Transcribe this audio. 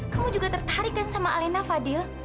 kamu juga tertarik kan sama alena fadil